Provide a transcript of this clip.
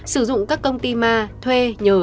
sử dụng các công ty ma thuê nhờ